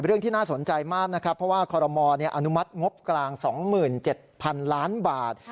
ที่น่าสนใจมากนะครับเพราะว่าคอรมออนุมัติงบกลาง๒๗๐๐๐ล้านบาท